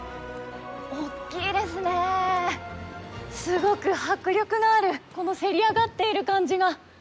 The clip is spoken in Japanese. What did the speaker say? すごく迫力のあるこのせり上がっている感じが。